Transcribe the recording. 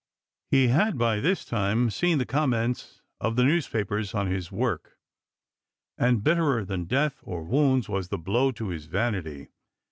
He had by this time seen the comments of the newspapers on his work, and bitterer than death or wounds was the blow to his vanity.